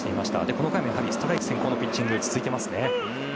この回もストライク先行のピッチングが続いていますね。